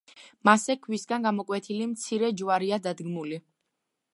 მასზე ქვისგან გამოკვეთილი მცირე ჯვარია დადგმული.